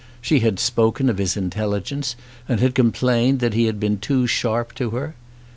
She had spoken of his intelligence and had complained that he had been too sharp to her.